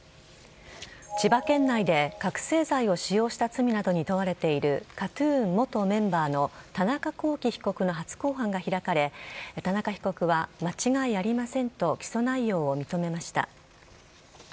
千葉県内で覚醒剤を使用した罪などに問われているＫＡＴ‐ＴＵＮ元メンバーの田中聖被告の初公判が開かれ田中被告は間違いありませんと起訴内容を認めました。